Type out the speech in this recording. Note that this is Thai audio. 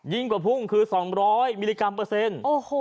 ยิ่งกว่าพุ่งคือ๒๐๐มิลลิกรัมเปอร์เซ็นต์